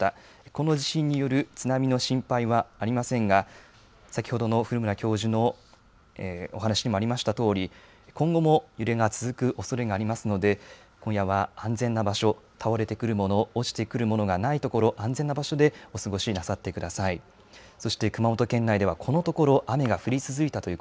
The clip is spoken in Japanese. この地震による津波の心配はありませんが、先ほどの古村教授のお話にもありましたとおり、今後も揺れが続くおそれがありますので、今夜は安全な場所、倒れてくるもの、落ちてくるものがない所、安全な場所でお過ごしなさってください。